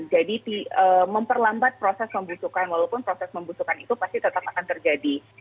jadi memperlambat proses pembusukan walaupun proses pembusukan itu pasti tetap akan terjadi